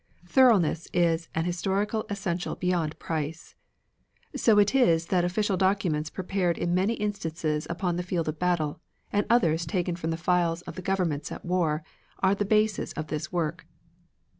Thoroughness is an historical essential beyond price. So it is that official documents prepared in many instances upon the field of battle, and others taken from the files of the governments at war, are the basis of this work.